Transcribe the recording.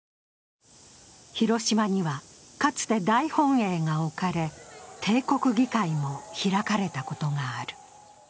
広島には、かつて大本営が置かれ帝国議会も開かれたことがある。